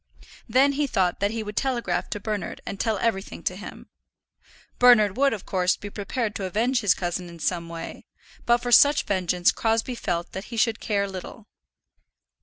Then he thought that he would telegraph to Bernard and tell everything to him. Bernard would, of course, be prepared to avenge his cousin in some way, but for such vengeance Crosbie felt that he should care little.